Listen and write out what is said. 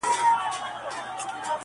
ویل یې شپې به دي د مصر له زندانه نه ځي -